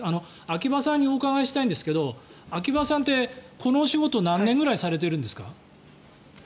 秋葉さんにお伺いしたいんですが秋葉さんってこのお仕事何年ぐらいされているんですか？